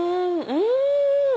うん！